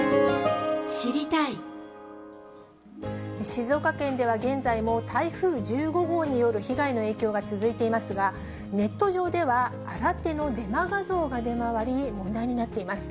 静岡県では現在も、台風１５号による被害の影響が続いていますが、ネット上では、新手のデマ画像が出回り、問題になっています。